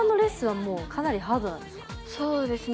そうですね。